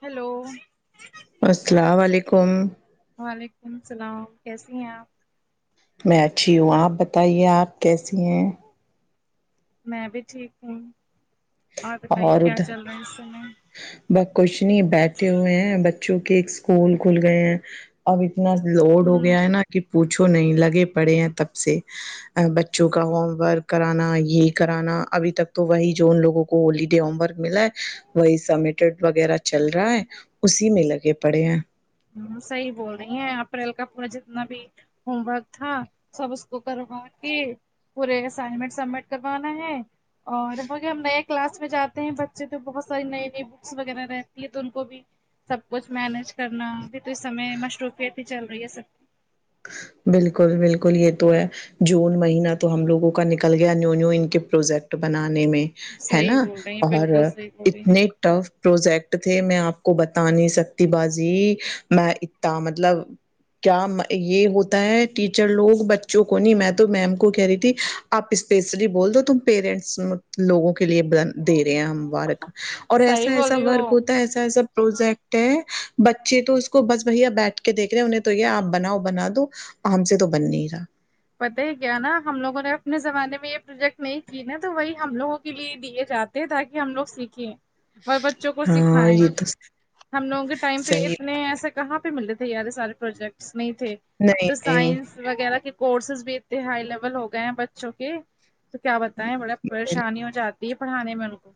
Hello السلام علیکم وعلیکم السلام کیسی ہیں آپ میں اچھی ہوں آپ بتائیے آپ کیسی ہیں میں بھی ٹھیک ہوں آپ بتائیے کیا چل رہا اس سے بت کچھ نہیں بیٹھے ہوئے ہیں بچوں کے اسکول کھل گئے ہیں اب اتنا لوڈ ہو ہوں گیا ہے نا کہ پوچھو نہیں لگے پڑے ہیں تب سے بچوں کا ہوم ورک کرانا یہ کرانا ابھی تک تو وہی جو ان لوگوں کو ہولی ڈے ہوم ورک ملا ہے وہی سمٹ وغیرہ چل رہا ہے اسی میں لگے پڑے ہیں ہمم صحیح بول رہی ہیں اپریل کا پورا جتنا بھی ہوم ورک تھا سب اس کو کروا کے پورے اسائنمنٹ سبمٹ کروانا ہے اور ہم بیگ کلاس میں جاتے ہیں بچے تو بہت ساری نئی نئی بکس وغیرہ رہتی ہے تو ان کو بھی سب کچھ مینج کرنا ابھی تو اس سمے مصروفیت ہی چل رہی ہے سب کی بالکل بالکل یہ تو ہے جون مہینہ تو ہم لوگوں کا نکل گیا نیو نیو ان کے پروجیکٹ بنانے میں ہے صحیح نا بول رہی ہیں اور بالکل صحیح بول رہی ہیں اتنے ٹف پروجیکٹ تھے میں آپ کو بتا نہیں سکتی باجی میں اتا مطلب کیا یہ ہوتا ہے ٹیچر لوگ بچوں کو نہیں میں تو میم کو کہہ رہی تھی آپ اسپیشلی بول دو تم پیرنٹس لوگوں کے لیے بن دے رہے ہیں ہم وارک اور ایسا صحیح بول ایسا رہی ورک ہو ہوتا ہے ایسا ایسا پروجیکٹ ہے بچے تو اس کو بس بھیا بیٹھ کے دیکھ رہے ہیں انہیں تو یہ آپ بناؤ بنا دو ہم سے تو بن نہیں رہا پتہ ہی کیا نا ہم لوگوں نے اپنے زمانے میں یہ پروجیکٹ نہیں کی نہ تو وہی ہم لوگوں کے لیے دیے جاتے تاکہ ہم لوگ سیکھیں اور بچوں کو ہاں سکھیں یہ تو ہم لوگوں کے ٹائم پہ صحیح اتنے ایسا کہاں پہ ملے تھے اارے سارے پروجیکٹس نہیں تھے اب نہیں تو نہیں سائنس وغیرہ کے کورسز بھی اتنے ہائی لیول ہو گئے ہیں بچوں کے تو کیا بتائے بڑا بال- پریشانی ہو جاتی تی پڑاھانے ان کو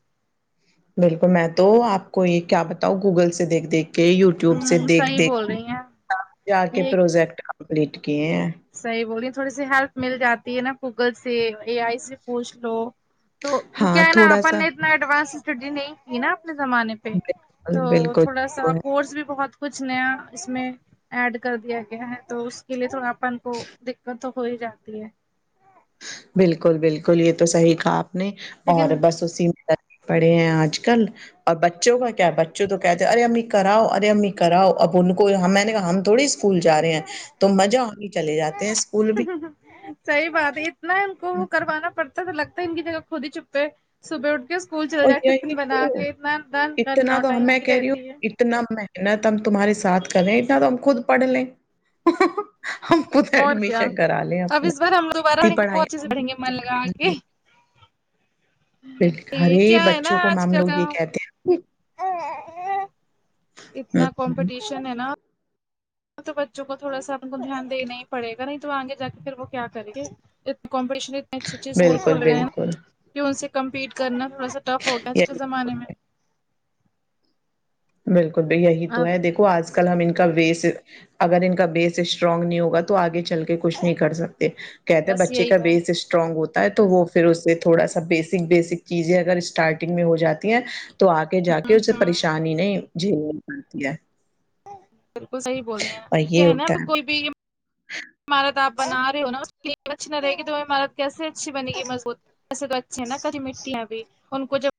بالکل میں تو آپ کو یہ کیا بتاؤں گوگل سے دیکھ دیکھ کے یوٹیوب سے ہ دیکھ صحیح دیکھ بول رہی ہیں آپ۔ جا کے یہ پروجیکٹ کمپلیٹ کیے ہیں صحیح بوللیے تھوڑی سی ہیلپ مل جاتی ہے نا گوگل سے اے آئی سے پوچھ لو تو پھر ہاں کیا ہے نا تھوڑا اپن سا نے اتنا ایڈوانس چٹی نہیں کی نا اپنے زمانے پہ پہ بالکل تو بالکل تھوڑا سا وہ ہے۔ کورس بھی بہت کچھ نیا اس میں ایڈ کر دیا گیا ہے تو اس کے لیے تھوڑا اپن کو دکت تو ہو ہی جاتی ہے بالکل بالکل یہ تو صحیح کہا آپ نے لیکن اور بس اسی میں پڑھے ہیں آج کل اور بچوں کا کیا ہے بچوں تو کہتے ہیں ارے امی کراؤ ارے امی کراؤ اب ان کو میں نے کہا ہم تھوڑی سی اسکول جا رہے ہیں تو مزہ ہونے چلے جاتے ہیں اسکول بھی صحیح بات ہے اتنا ان کو وہ کروانا پڑتا ا تو لگتا ہے ان کی جگہ خود ہی چپے صبح اٹھ اسکول چل اور جائے یہی ٹفن تو بنا کے اتنا رن اتنا کرناو تو ہم- ٹائم میں ہی کہہ رہی ہوں رہتی ہے اتنا محنت ہم تمہارے ساتھ کریں اتنا تو ہم خود پڑھ لیں ہم خود اور کیا ایڈمیشن کرا لیں اب اپنا اس بار ہم دوبارہ اتنی پڑھائی پہنچ جاینگے گے من لگا کے یہ ہرے کیا ہے نا بچوں کو آج ہم کل لوگ یہ کہتے ہیں اتنا ہوں، کومپی ہوں، ٹیشن ہے نہ تو بچوں کو تھوڑا سا اپن کو دھیان دینا ہی پڑے گا نہیں تو آگے جا کے پھر وہ کیا کریں گے ا کومپی ٹیشن اتنے اچھے اچھی اسکول بالکل کھول رہے ہیں بالکل کہ ان سے کمپیٹ کرنا تھوڑا سا ٹف ہوگیا آج کل یہ زمانے میں بالکل بھ یہی تو آپ ہے دیکھ آج کل ہم ان کا وس اگر ان کا بیس اسٹرانگ نہیں ہوگا تو آگے چل کے کچھ نہیں کر سکتے کہتے بس بچے یہی کا تو ہے بیس اس اسٹرانگ ہوتا ہے تو وہ پھر اس سے تھوڑا سا بیسک بیسک چیزیں اگر اسٹارٹنگ میں ہو جاتی ہیں تو آ کے جا کے اسے ہوں، پریشانی نہیں جھیل نی پڑھ تی ہے بالکل صحیح بولنے ہیں اور کہ یہ ہے نا ہوتا کوئی بھی عمارت آ بنا رہے ہو نا اس لیے اچھی نہ رہے گی تو وہ عمارت کیسے اچھی بنے گی مضبوط ویسے تو اچھے نا کبھی مٹیاں بھی ان کو جب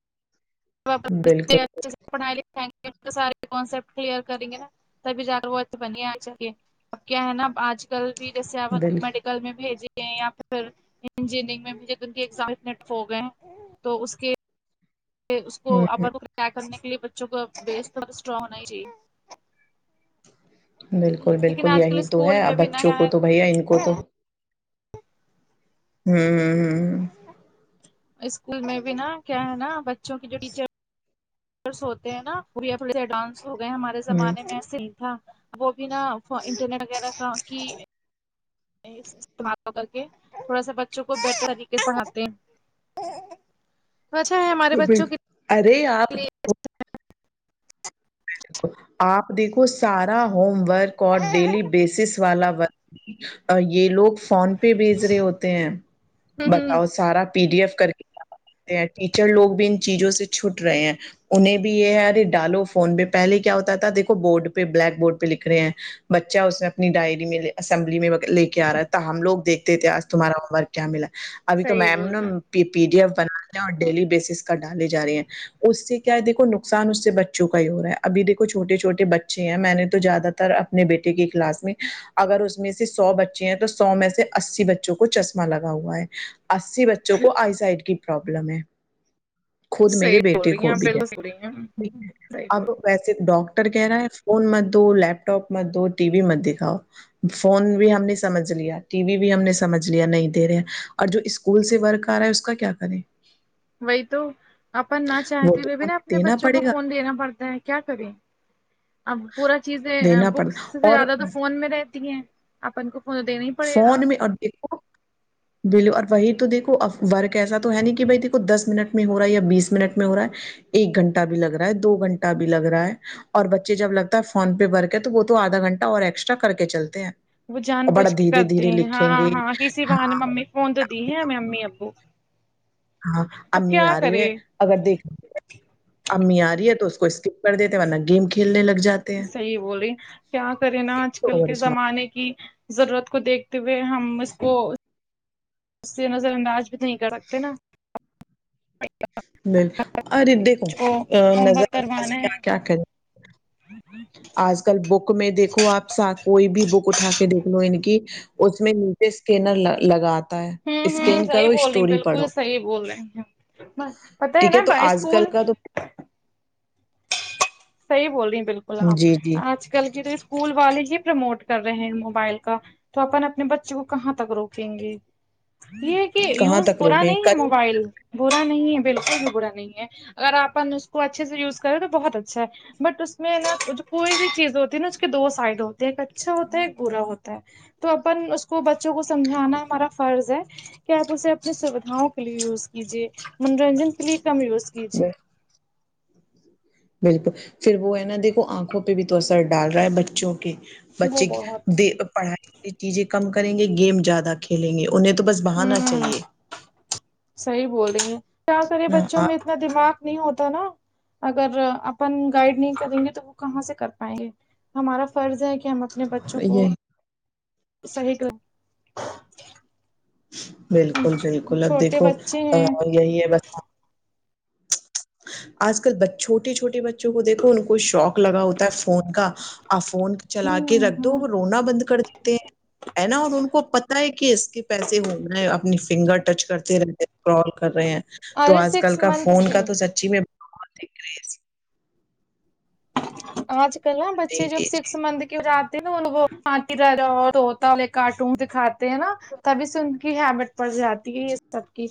اچھے بالکل سے پڑھ ل سارے کٹ کلیئر کریں گے [unintelligible] تبھی جا رہا وہ تو بن آ جکے اب کیا ہے نا ا آج کل بھی جیسے آپ بال میں بھیجی یا پھر انجینئرنگ میں بھی ج ان کےز ہو گئے [unintelligible] تو اس کے اس کو ہ [unintelligible] ط کرنے کےلئے بچوں کو بیس تو اسٹرانگ ہونا ہی چاہیے بالکل لیکن بالکل آج کل یہی تو اسکول ہے اب میں بھی نہ بچوں نیا کو تو بھیا ان کو تو ہے ہممممم اسکول میں بھی نا کیا ہے نا بچوں کی جو ٹیچر ہوتے ہیں نا وہ بھی نہ تھوڑے اڈوانس ہو گئے ہمارے ہ ہ ہ زمانے میں ایسا نئی تھا وہ بھی نا انٹرنیٹ وغیرہ کا کہ استعمال کر کے تھوڑا سا بچوں کو بہتر طریقے سے پڑھاتے ہیں تو اچھا ہے ہمارے ہ بچوں کی ارے آپ آپ دیکھو سارا ہوم ورک اور ڈیلی بیسس والا ورک یہ لوگ فون پہ بھیج رہے ہوتے ہیں ہ بتاؤ سارا پی ڈی ایف کر کے کرتے ٹیچر لوگ بھی ان چیزوں سے چھوٹ رہے ہیں انہیں بھی یہ ہے اارے ڈالو فون پہ پہلے کیا ہوتا تھا دیکھو بورڈ پہ بلیک بورڈ پہ لکھ رہے ہیں بچہ اس میں اپنی ڈائری میں اسمبلی میں لے کے آ رہا ہے تھا ہم لوگ دیکھتے تھے آج تمہارا ہوم ورک کیا ملا اب تو صحیح میم بول نا رہے ہیں پ پی ڈی ایف بناا اور ڈیلی بیسس کا ڈالی جا رہی ہیں اس سے کیا ہے دیکھو نقصان اس سے بچوں کا ہی ہو رہا ہے ابھی دیکھو چھوٹے چھوٹے بچے ہیں میں نے تو زیادہ تر اپنے بیٹے کی کلاس میں اگر اس میں سے سو بچے ہیں تو سو میں سے اسی بچوں کو چشمہ لگا ہوا ہے اسی بچوں کو آئی سائڈ کی پروابلم ہے خود میرے صحیح بول بیٹے رہی ہیں کو آپ بھی ہے بالکل صحیح بول رہی ہیں صحیح بول اب رہی ویسے ڈاکٹر کہہ رہا ہے فون مت دو لپ ٹاپ مت دو ٹی وی مت دکھاؤ فون بھی ہم نے سمجھ لیا ٹی وی بھی ہم نے سمجھ لیا نہیں دے رہے اور جو اس اسکول سے ورک آ رہا ہے اس کا کیا کریں وہی تو اپن نہ وہ چاہتے تو ہوئے بھی نا ہمیں اپنے دینا بچوں کو پڑے گا فون دینا پڑتا ہے کیا کریں اب پورا چیزیں دینا پڑے بکس گا سے اور زیادہ تو فون میں رہتی ہیں اپن کو فون دینا ہی پڑے گا فون میں اور دیکھو بلو اور وہی تو دیکھو ا ورک ایسا تو ہے نہیں کہ بھائی دیکھو دس منٹ میں ہو رہا ہے یا بیس منٹ میں ہو رہا ہے ایک گھنٹہ بھی لگ رہا ہے دو گھنٹہ بھی لگ رہا ہے اور بچے جب لگتا ہے فون پہ ورک ہے تو وہ تو آدھا گھنٹہ اور ایکسٹرا کر کے چلتے ہیں وہ جان اور بڑا بوج کے دھیرے کرتے دھیرے ہیں ہاں لکھیں گے ہاں کسی بہ نے ممی فون تو دی ہے ہمیں امی ابو ہاں اب امی کیا آ رہی ہے کرے اگر دیکھ امی آ رہی ہے تو اس کو اسکپ کر دیتے ورنہ گیم کو صحیح بولے کیا کرے نا آج کل اوور کے اسمارٹ زمانے کی ضرورت کو دیکھتے ہوئے ہم اس کو اس سے نظر انداز بھی نہیں کر سکتے نا ب ارے دیکھو کو ہوم نظر ورک انداز کروانا کیا ہے کیا کریں آج کل بک میں دیکھو آپ کوئی بھی بک اٹھا کے دیکھ لو ان کی اس میں نیچے اسکینر لگات ہے ہوں ہوں اسکین کرو صحیح بول رہی اسٹوری بالکل پڑھو صحیح بول رہی ہیں، پتہ ٹھیک ہے نا تو بائی آج کل اسکول کا تو صحیح بول رہی ہیں بالکل آپ جی جی آج کل کی تو اسکول والے ہی پرموٹ کر رہے ہیں موبائل کا تو اپن اپنے بچے کو کہاں تک روکیں گے یہ کہ کہاں یوز تک برا روکیں نہیں ہے کل موبائل برا نہیں ہے بالکل بھی برا نہیں ہے اگر آپن اس کو اچھے سے یوز کریں تو بہت اچھا ہے بٹ اس میں نا جو کوئی بھی چیز ہوتی ہے نا اس کے دو سائڈ ہوتے ہیں ایک اچھا ہوتا ہے ایک برا ہوتا ہے تو اپن اس کو بچوں کو سمجھانا ہمارا فرض ہے کہ آپ اسے اپنی سویدھاؤں کے لیے یوز کیجیے منورنجن کے لیے کم یوز کیجیے بالکل پھر وہ ہے نا دھو آنکھوں پہ بھی تو اثر ڈال رہا ہے بچوں کے وہ بچے بہت پڑھائی وال چیزیں کم کریں گے گیم زیادہ کھیلیں گے انہیں تو بس بہانا ہوں چاہیے صحیح بول رہی ہیں کیا کرے نا بچوں میں تو آپ اتنا دماغ نہیں ہوتا نا اگر اپن گائڈ نہیں کریں گے تو وہ کہاں سے کر پائیں گے ہمارا فرض ہے کہ ہم اپنے بچوں کو یہ صحیح کر بالکل بالکل اب چھوٹے دیکھو بچے ہیں یہی ہے بس آج کل چھوٹے چھوٹے بچوں کو دیکھو ان کو شوق لگا ہوتا ہے فون کا آ فون چلا کے رکھ دو ہ وہ رونا بند کر دیتے ہیں ہے نا اور ان کو پتہ ہے کہ اس کے پیسے ہونا ہے اپنی فنگر ٹچ کرتے رہتے کال کر رہے ہیں تو ارے آج سکس کل کا منتھ فون سے کا تو سچی میں بہت ہی کرز آج کل نا جی بچے جب جی سکس منتھ کے ہوجات کارٹون دکھاتے ہیں نا تبھی سے انک کی ہیبٹ پڑ جاتی ہے یہ سب کی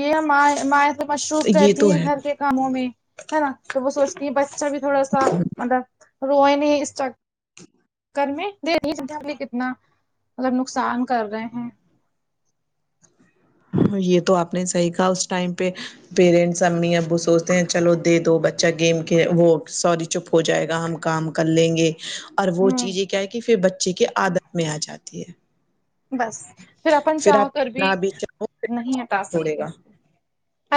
یہ ہم مائے ماۓ مصروف جی یہ رہتی تو ہیں ہے گھر کے کاموں میں ہے نا تو وہ سوچتی ہیں بچہ بھی تھوڑا سا مطلب روئن نہیں اس چک کر میں [unintelligible] کتنا مطلب نقصان کر رہے ہیں یہ تو آپ نے صحیح کہا اس ٹائم پہ پیرنٹس امی ابو سوچتے ہیں چلو دے دو بچ چا گیم کے وہ سوری چپ ہو جائے گا ہم کام کر لیں گے اور وہ ہوں چیزیں کیا ہے کہ پھر بچے کے عادت میں آجاتی ہے بس پھر اپن چاہ آپ کر بھی نہ چاہو نہیں ہٹا چھوڑے سکتے گا اس کو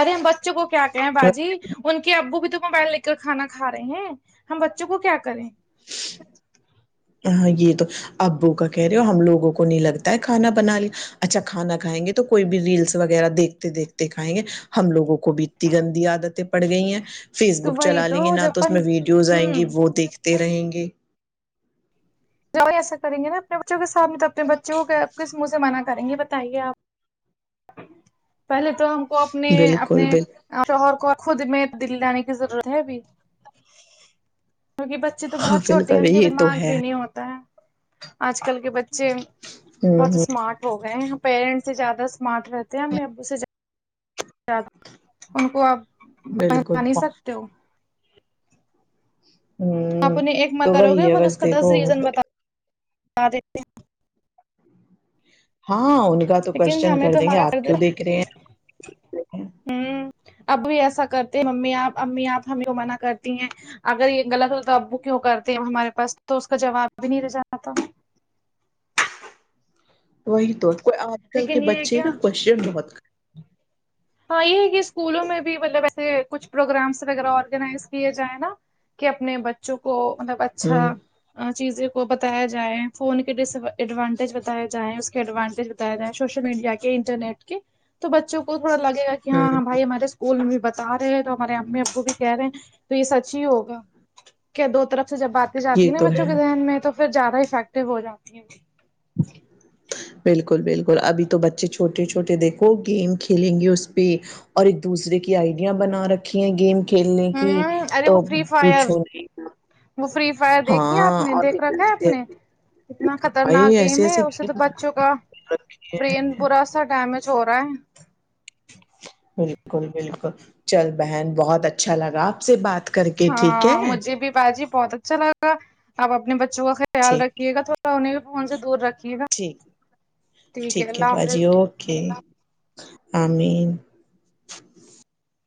ارے ہم بچوں کو کیا کہے باجی کے ان ابو بھی تو موبائل لیک کر کھانا کھا رہے ہیں ہم بچوں کو کیا کریں ہاں جی تو ابو کا کہہ رہے ہو ہم لوگوں کو نہیں لگ تا کھانا بنا لے اچھا کھانا کھائیں گے تو کوئی بھی ریلس وغیرہ دیکھتے دیکھتے کھائیں گے ہم لوگوں کو بھی اتنی گندی عادتیں پڑ گئی ہیں فیس تو بک چلا وہی لیں گے نہ جب تو اس اپن میں ویڈیوز آئیں گی ہوں وہ دیکھ ت رہیں گے جاؤ ایسا کریں گے نا اپنے بچوں کے سامنے تو اپنے بچوں کو کس منہ سے منع کریں گے بتائیے آپ پہلے تو ہم کو اپنے اپنے بالکل بالکل شوہر کو خود میں دل لانے کی ضرورت ہے ابھی کیونکہ بچے تو بہت چھوٹیے ہیں بالکل ان کے یہ تو دماغ ہے بھی نہیں ہوتا ہے آج کل کے بچ سیم ہوں بہت ہ اسمارٹ ہو گئے ہیں ہم پیرنٹس سے زیادہ اسمارٹ رہتے ہیں امی ابو سے زیا یاد ان کو آپ بہنا بالکل نہیں سکتے ہو آپ ہوں انہیں ایک ماہ تو کرو گے وہی ہے وہ اس بس کا دس دیکھو ریزن بتا دیتے ہے ہاں ان کا تو لیکن کوشچن ہمیں کر تو دیں گے ہمارا آپ فرد کیوں دیکھ رہے ہیں ہوں اب بھی ایسا کرتے ممی آپ امی آپ ہمیں کیوں منع کرتی ہیں اگر یہ غلط ہو تو ابو کیوں کرتے ہیں ہمارے پاس تو اس کا جواب بھی نہیں رہ جاتا وہی تو کوئی آج کل کے لیکن یہ ہے بچے کیا نا کوشچن بہت کا ہاں یہ ہے کہ اسکولوں میں بھی مطلب ایسے کچھ پروگرامس وغیرہ آرگنائز کیے جایے نا کہ اپنے بچوں کو مطلب ہیں۔ ہوں اچھا چیزیں کو بتایا جائیں فون کے ڈیساڈوانٹیج بتاائے جائیں اس کے ایڈوانٹیج بتایا جائے سوشل میڈیا کے انٹرنیٹ کے تو بچوں کو تھوڑا لگےا کہ ہاں ہوں ہاں بھائی ہمارے اس کول میں بتا رہے ہیں تو ہمارے امی ابو بھی کہہ رہے ہیں تو یہ سچ ہی ہوگا کیا دو طرف سے جب باتیں جاتی یہ ہیں نا تو ہے بچوں کے ذہن میں تو پھر زیادہ افیکٹو ہو جاتی ہیں بالکل بالکل ابھی تو بچے چھوٹے چھوٹے دیکھو گیم کھیلیں گے اس پہ اور ایک دوسرے کی آئیڈیا بنا رکھی ہیں گیم کھیلنے کی ہوں ارے وہ تو فری فائر پوچھو نہیں وہ فری فائر دیکھی ہے آپ ہاں نے اور دیکھ رکھا ہے آپ ایسے نے اتنا ایسے خطرناک گیم ایسے ہے ایسے اس سے تو گیم بچوں کا رکھے برین ہیں برا سا ڈیمیج ہو رہا ہے بالکل بالکل چل بہن بہت اچھا لگا آپ سے بات کر کے ٹھیک ہے ہاں مجھے بھی باجی بہت اچھا لگا آپ اپنے بچوں کا خیال ٹھیک رکھیے گا تھوڑا انہیں بھی فون سے دور رکھ ٹھیک ٹھیک ہے اللہ باجی حافظ اوکے آ مین